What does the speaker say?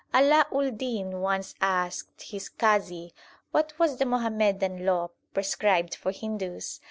Ala ul Din once asked his qazi what was the Muhammadan law prescribed for Hindus.